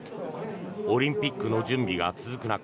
オリンピックの準備が続く中